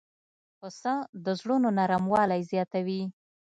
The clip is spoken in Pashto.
پسه د زړونو نرموالی زیاتوي.